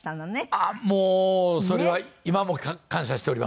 あっもうそれは今も感謝しております。